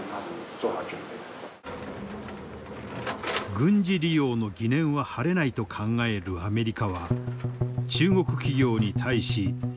軍事利用の疑念は晴れないと考えるアメリカは中国企業に対し資産凍結などの制裁を科した。